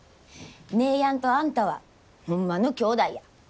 姉やんとあんたはホンマのきょうだいや。